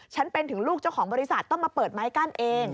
เป็นถึงลูกเจ้าของบริษัทต้องมาเปิดไม้กั้นเอง